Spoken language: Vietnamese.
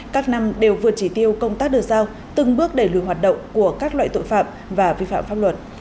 các năm đều vượt chỉ tiêu công tác được giao từng bước đẩy lùi hoạt động của các loại tội phạm và vi phạm pháp luật